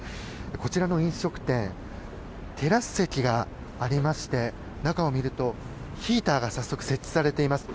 こちらの飲食店テラス席がありまして中を見ると、ヒーターが早速設置されています。